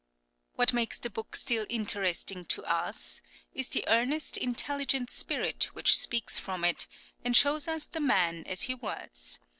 What makes the book still interesting to us is the earnest, intelligent spirit which speaks from it, and shows us the man as he was.